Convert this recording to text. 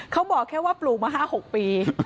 เขาบอกแค่ว่าปลูกมา๕๖ปี